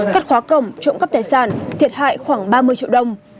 cắt khóa cổng trộm cắp tài sản thiệt hại khoảng ba mươi triệu đồng